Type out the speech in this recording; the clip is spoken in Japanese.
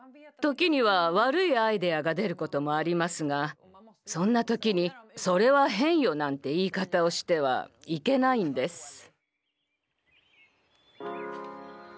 時には悪いアイデアが出ることもありますがそんな時に「それは変よ！」なんて言い方をしてはいけないんです。